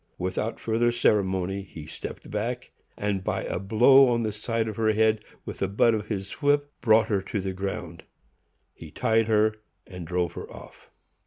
Without further ceremony, he stepped back, and, by a blow on the side of her head with the butt of his whip, brought her to the ground; he tied her, and drove her off.